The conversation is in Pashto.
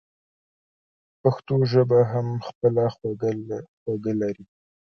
پښتو ژبه هم خپله خوږه لري.